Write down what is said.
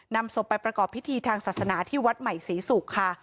นำศพไปประกอบพิธีทางศาสนาที่วัดใหม่ศรีศุกร์ค่ะ